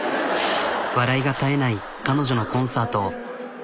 笑いが絶えない彼女のコンサート。